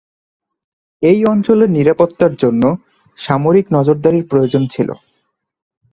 এই অঞ্চলের নিরাপত্তার জন্য সামরিক নজরদারি প্রয়োজন ছিল।